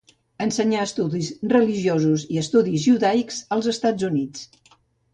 Ensenyà estudis religiosos i estudis judaics als Estats Units.